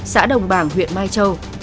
xã đồng bàng huyện mai châu